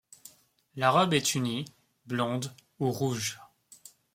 La robe est unie, blonde ou rouge.